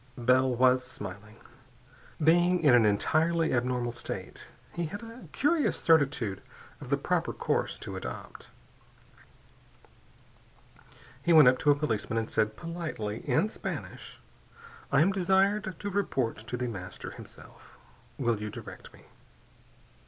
Bell was smiling. Being in an entirely abnormal state, he had a curious certitude of the proper course to adopt. He went up to a policeman and said politely, in Spanish: "I am desired to report to The Master, himself. Will you direct me?"